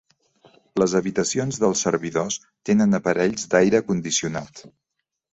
Les habitacions dels servidors tenen aparells d'aire condicionat.